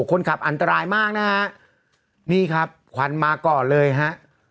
คนขับอันตรายมากนะฮะนี่ครับควันมาก่อนเลยฮะ